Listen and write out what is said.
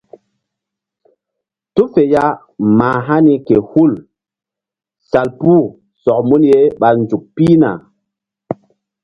Tu fe ya ma hani ke hul salpu sɔk mun ye ɓa nzuk pihna.